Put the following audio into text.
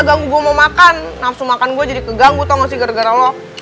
ganggu gue mau makan nafsu makan gue jadi keganggu tau gak sih gara gara lo